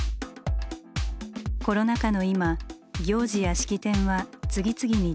コロナ禍の今行事や式典は次々に中止。